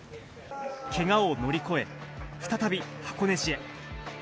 けがを乗り越え、再び箱根路へ。